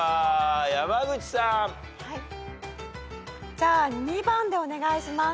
じゃあ２番でお願いします。